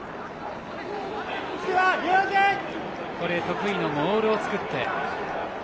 得意のモールを作って。